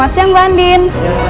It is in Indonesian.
selamat siang mbak andin